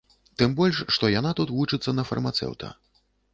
Тым больш што яна тут вучыцца на фармацэўта.